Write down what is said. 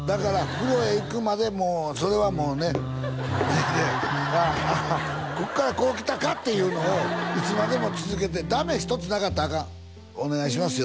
風呂へ行くまでもうそれはもうね脱いでこっからこう来たかっていうのをいつまでも続けてダメ一つなかったらアカンお願いしますよ